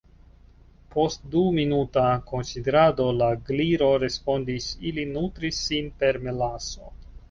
Post du minuta konsiderado la Gliro respondis: "Ili nutris sin per melaso."